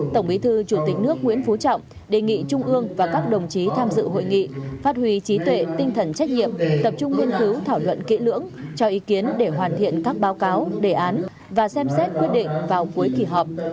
tổng bí thư chủ tịch nước nguyễn phú trọng đề nghị trung ương và các đồng chí tham dự hội nghị phát huy trí tuệ tinh thần trách nhiệm tập trung nghiên cứu thảo luận kỹ lưỡng cho ý kiến để hoàn thiện các báo cáo đề án và xem xét quyết định vào cuối kỳ họp